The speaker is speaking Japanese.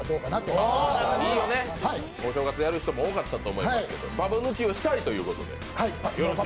いいよね、お正月やる人も多かったと思いますが、ババ抜きをしたいということで。